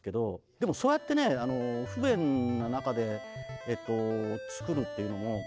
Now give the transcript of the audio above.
でもそうやってね不便な中で作るっていうのもあ！